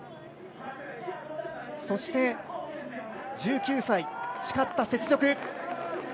そして１９歳、誓った雪辱。